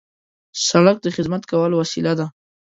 سړک د خدمت کولو وسیله ده.